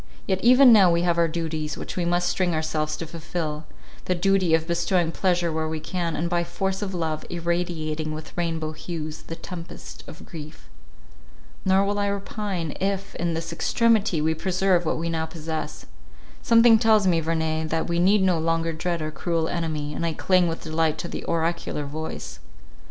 Yet even now we have our duties, which we must string ourselves to fulfil: the duty of bestowing pleasure where we can, and by force of love, irradiating with rainbow hues the tempest of grief. Nor will I repine if in this extremity we preserve what we now possess. Something tells me, Verney, that we need no longer dread our cruel enemy, and I cling with delight to the oracular voice.